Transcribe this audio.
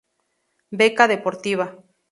Beca Deportiva.